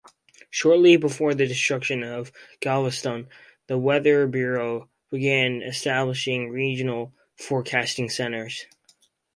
Shortly before the destruction of Galveston, the Weather Bureau began establishing regional forecasting centers.